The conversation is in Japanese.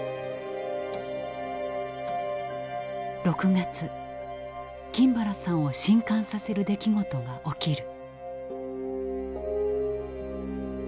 ６月金原さんを震かんさせる出来事が起きる。